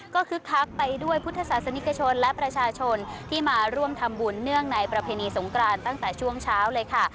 ก็คึกคักไปด้วยพุทธศาสนิกชนและประชาชนที่มาร่วมทำบุญเนื่องในประเพณีสงกรานตั้งแต่ช่วงเช้าเลยค่ะ